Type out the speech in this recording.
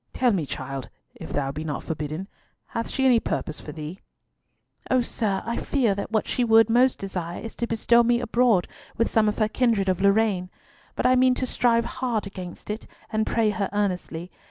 Tell me, child, if thou be not forbidden, hath she any purpose for thee?" "O sir, I fear that what she would most desire is to bestow me abroad with some of her kindred of Lorraine. But I mean to strive hard against it, and pray her earnestly.